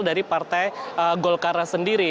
dari partai golkar sendiri